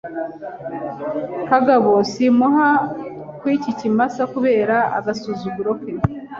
kagabo simuha ku iki kimasa kubera agasuzuguro ke